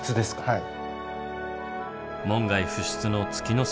はい。